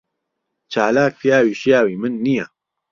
چالاک پیاوی شیاوی من نییە.